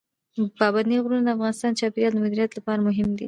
پابندی غرونه د افغانستان د چاپیریال د مدیریت لپاره مهم دي.